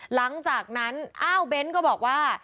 หลังจากนั้นอ้าวเบ้นก็บอกว่า